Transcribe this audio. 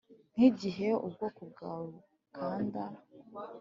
nkigihe ubwoko bwawe, bukanda,